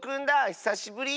ひさしぶり。